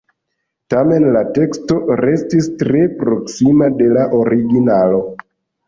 Tamen la teksto restis tre proksima de la originalo.